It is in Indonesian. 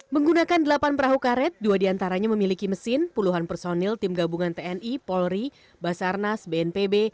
menggunakan delapan perahu karet dua diantaranya memiliki mesin puluhan personil tim gabungan tni polri basarnas bnpb